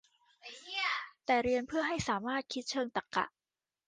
แต่เรียนเพื่อให้สามารถคิดเชิงตรรกะ